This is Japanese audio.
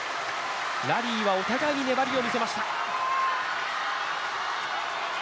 ラリーはお互いに粘りを見せました。